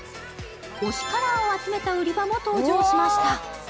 推しカラーを集めた売り場も登場しました。